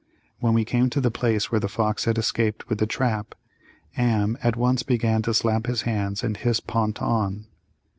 When we came to the place where the fox had escaped with the trap Am at once began to slap his hands and hiss Pont on.